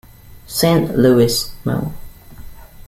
Saint Louis, Mo.